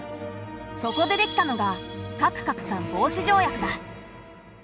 そこでできたのが核拡散防止条約だ。